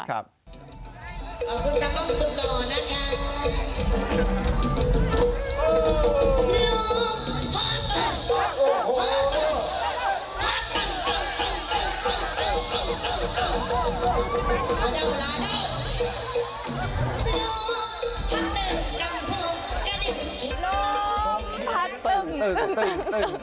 ขอบคุณต้องร่องสุดหล่อนะค่ะ